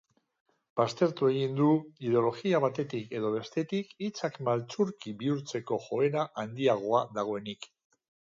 Baztertu egin du ideologia batetik edo bestetik hitzak maltzurki bihurtzeko joera handiagoa dagoenik.